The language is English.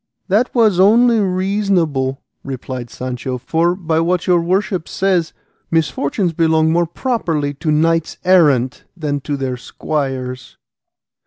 "That was only reasonable," replied Sancho, "for, by what your worship says, misfortunes belong more properly to knights errant than to their squires."